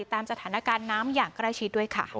ตามสถานการณ์น้ำอย่างใกล้ชิดด้วยค่ะ